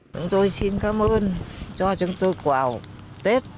chúng tôi xin cảm ơn cho chúng tôi vào tết